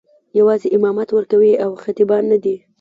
یوازې امامت کوي او خطیبان نه دي.